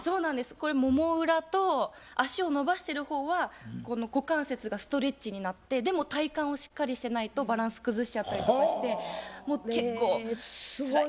これもも裏と脚を伸ばしてる方はこの股関節がストレッチになってでも体幹をしっかりしてないとバランス崩しちゃったりとかしてもう結構つらい。